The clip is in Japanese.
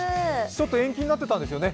ちょっと延期になってたんですよね。